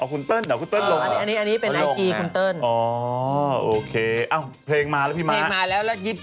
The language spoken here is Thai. ของเติ้ลไงล่ะ